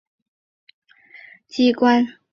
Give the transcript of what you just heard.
纳米比亚议会是纳米比亚的国家立法机关。